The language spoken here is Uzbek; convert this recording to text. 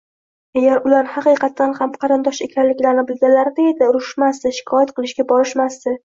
Agar ular haqiqatan ham qarindosh ekanliklarini bilganlarida edi, urishishmasdi, shikoyat qilishga borishmasdi